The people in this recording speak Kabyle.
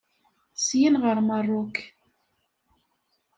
Syin ɣer Merruk.